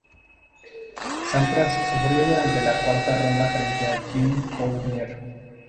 Sampras sufrió durante la cuarta ronda frente a Jim Courier.